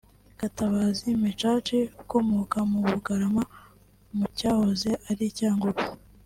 Gatabazi Mechach ukomoka mu Bugarama mu cyahoze ari Cyangungu